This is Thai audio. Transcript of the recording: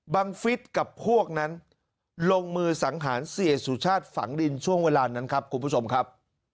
ฟิศกับพวกนั้นลงมือสังหารเสียสุชาติฝังดินช่วงเวลานั้นครับคุณผู้ชมครับ